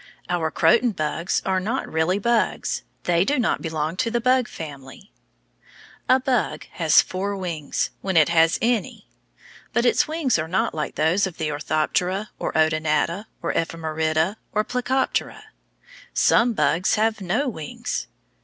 Our croton bugs are not really bugs. They do not belong to the bug family. A bug has four wings when it has any. But its wings are not like those of the Orthoptera or Odonata or Ephemerida or Plecoptera. Some bugs have no wings.